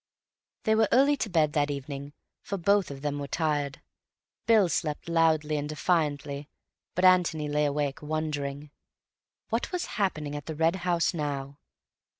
They were early to bed that evening, for both of them were tired. Bill slept loudly and defiantly, but Antony lay awake, wondering. What was happening at the Red House now?